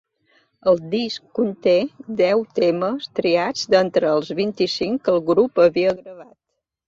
El disc conté deu temes triats d'entre els vint-i-cinc que el grup havia gravat.